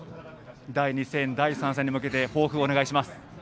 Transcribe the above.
第２戦、第３戦に向けて豊富をお願いします。